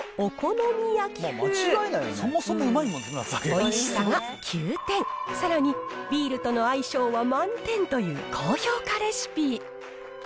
美味しさが９点さらにビールとの相性は満点という高評価レシピ。